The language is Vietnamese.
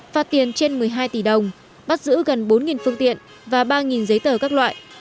phạt tiền trên một mươi hai tỷ đồng bắt giữ gần bốn phương tiện và ba giấy tờ các loại